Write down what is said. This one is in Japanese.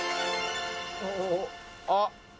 「あっ！